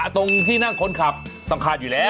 ตรงที่นั่งคนขับต้องคาดอยู่แล้ว